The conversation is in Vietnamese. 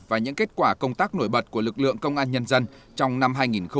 và những kết quả công tác nổi bật của lực lượng công an nhân dân trong năm hai nghìn hai mươi ba